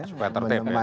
supaya tertib ya